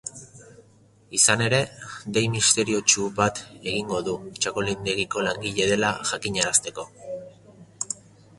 Izan ere, dei misteriotsu bat egingo du txakolindegiko langile dela jakinarazteko.